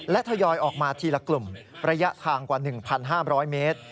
และทยอยออกมาทีละกลุ่มระยะทางกว่า๑๕๐๐เมตร